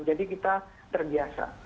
jadi kita terbiasa